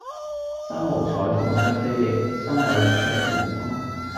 身無彩鳳雙飛翼，心有靈犀一點通。